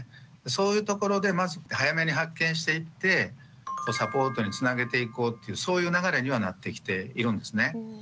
そういうところでまず早めに発見していってサポートにつなげていこうっていうそういう流れにはなってきているんですね。